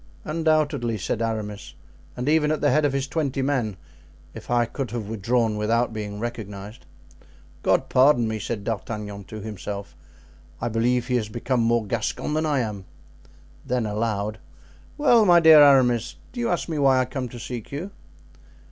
"Undoubtedly," said Aramis, "and even at the head of his twenty men, if I could have drawn without being recognized." "God pardon me!" said D'Artagnan to himself, "I believe he has become more Gascon than I am!" Then aloud: "Well, my dear Aramis, do you ask me why I came to seek you?"